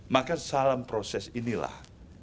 maka dalam proses inilah